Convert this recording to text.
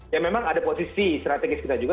ya memang ada posisi strategis kita juga